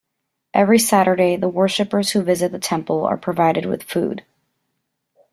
Every Saturday the worshippers who visit the temple are provided with food.